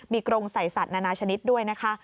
มีกรงใส่สัตว์นานาชนิดด้วยนะคะ